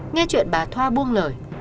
nghe chuyện bà thoa buông lời